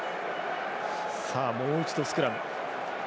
もう一度、スクラム。